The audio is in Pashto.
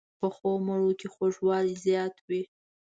پخو مڼو کې خوږوالی زیات وي